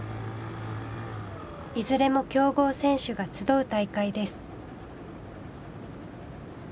いずれも強豪選手が集う大会です。